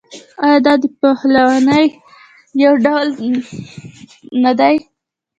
آیا دا د پهلوانۍ یو ډول نه دی؟